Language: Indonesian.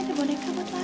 ini boneka buat lara